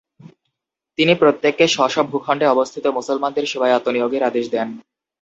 তিনি প্রত্যেককে স্ব-স্ব ভূখণ্ডে অবস্থিত মুসলমানদের সেবায় আত্মনিয়ােগের আদেশ দেন।